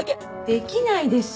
できないです。